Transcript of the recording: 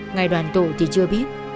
ngày đoàn tụ thì chưa biết